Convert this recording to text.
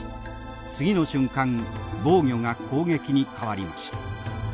次の瞬間防御が攻撃に変わりました。